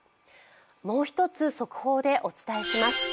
もう一つ、速報でお伝えします。